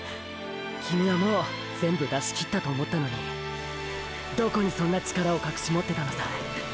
キミはもう全部出しきったと思ったのにどこにそんな力を隠し持ってたのさ！！